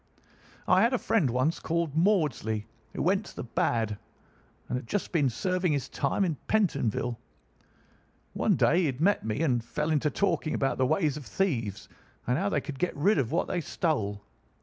"I had a friend once called Maudsley, who went to the bad, and has just been serving his time in Pentonville. One day he had met me, and fell into talk about the ways of thieves, and how they could get rid of what they stole.